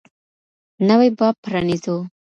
نوی باب پرانيزو.